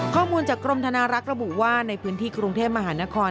ข้อมูลจากกรมธนารักษ์ระบุว่าในพื้นที่กรุงเทพมหานคร